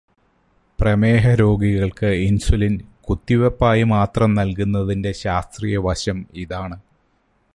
പ്രമേഹരോഗികള്ക്ക് insulin കുത്തിവെപ്പായി മാത്രം നൽകുന്നതിന്റെ ശാസ്ത്രീയവശം ഇതാണ്.